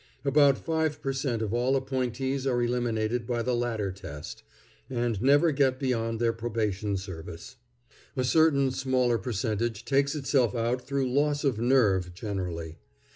About five per cent. of all appointees are eliminated by the ladder test, and never get beyond their probation service. A certain smaller percentage takes itself out through loss of "nerve" generally.